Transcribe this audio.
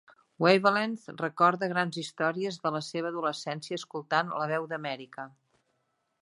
"Wavelength" recorda grans històries de la seva adolescència, escoltant la "Veu d'Amèrica".